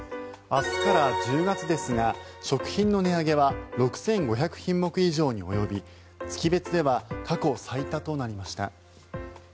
明日から１０月ですが食品の値上げは６５００品目以上に及び月別では過去最多となりました。